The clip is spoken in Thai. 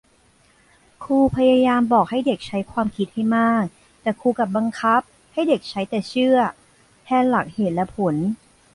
ครูพยายามบอกให้เด็กใช้ความคิดให้มาก แต่ครูกลับบังคับให้เด็กใช้แต่เชื่อแทนหลักเหตุและผล